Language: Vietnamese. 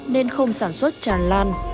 nên không sản xuất tràn lan